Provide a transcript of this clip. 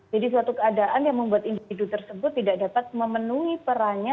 jadi suatu keadaan yang membuat individu tersebut tidak dapat memenuhi perannya